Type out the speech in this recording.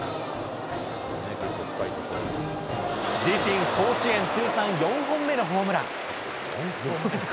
自身甲子園通算４本目のホームラン。